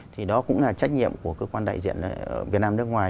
thì đó cũng là trách nhiệm của cơ quan đại diện việt nam nước ngoài